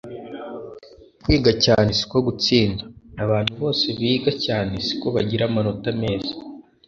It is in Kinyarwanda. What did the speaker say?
kwiga cyane siko gutsinda abantu bose biga cyane siko bagira amanota meza